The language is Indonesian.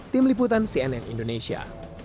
tim liputan cnn indonesia